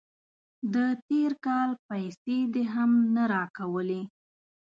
د تیر کال پیسې دې هم نه راکولې.